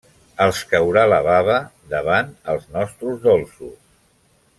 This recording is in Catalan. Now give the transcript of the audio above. Els caurà la bava davant els nostres dolços.